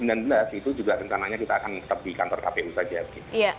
dan dua ribu sembilan belas itu juga rencananya kita akan tetap di kantor kpu saja